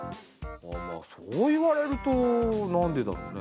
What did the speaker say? ああまあそう言われるとなんでだろうね？